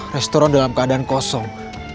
restoran dalam keadaan kosong